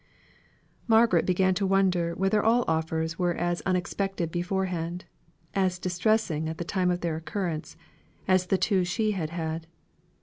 Margaret began to wonder whether all offers were as unexpected beforehand, as distressing at the time of their occurrence, as the two she had had.